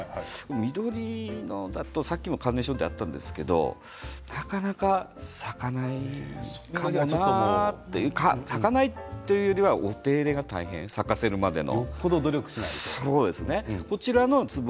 緑は、先ほどもカーネーションでありましたがなかなか咲かないかな咲かないというよりはお手入れが大変、咲かせるまでの。